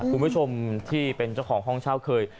คุณผู้ชมที่เป็นเจ้าของห้องเช่าเคย